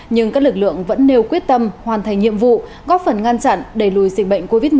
nhưng các lực lượng vẫn nêu quyết tâm hoàn thành nhiệm vụ góp phần ngăn chặn đẩy lùi dịch bệnh covid một mươi chín